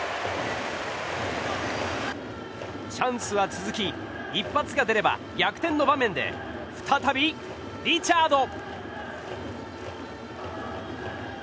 チャンスは続き、一発が出れば逆転の場面で再びリチャード。